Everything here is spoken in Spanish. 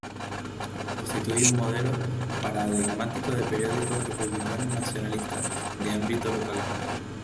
Constituye un modelo paradigmático de periódico republicano nacionalista de ámbito local.